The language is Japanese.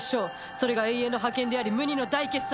それが永遠の覇権であり無二の大傑作！